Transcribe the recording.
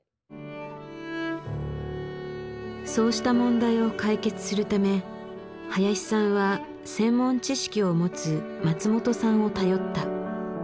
そうした問題を解決するため林さんは専門知識を持つ松本さんを頼った。